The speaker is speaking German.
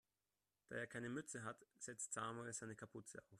Da er keine Mütze hat, setzt Samuel seine Kapuze auf.